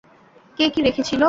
কে কি রেখেছিলো?